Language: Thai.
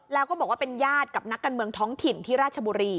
แล้วก็บอกว่าเป็นญาติกับนักการเมืองท้องถิ่นที่ราชบุรี